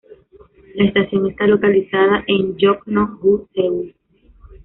La estación está localizada en Jongno-gu, Seúl.